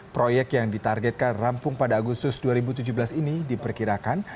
proyek yang ditargetkan rampung pada agustus dua ribu tujuh belas ini diperkirakan